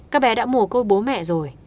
các bé đã mùa cô bố mẹ rồi